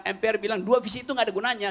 mpr bilang dua visi itu nggak ada gunanya